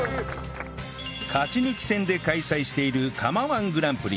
勝ち抜き戦で開催している釜 −１ グランプリ